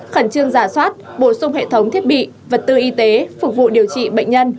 khẩn trương giả soát bổ sung hệ thống thiết bị vật tư y tế phục vụ điều trị bệnh nhân